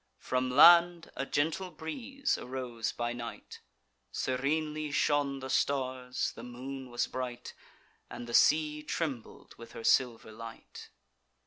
From land a gentle breeze arose by night, Serenely shone the stars, the moon was bright, And the sea trembled with her silver light.